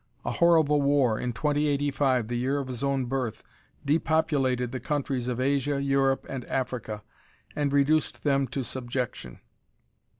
A horrible war in 2085, the year of his own birth depopulated the countries of Asia, Europe and Africa and reduced them to subjection.